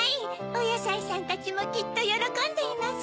おやさいさんたちもきっとよろこんでいます。